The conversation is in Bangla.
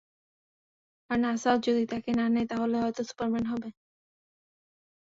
নাসাও যদি তাকে না নেয়, তাহলে হয়ত সুপারম্যান হবে।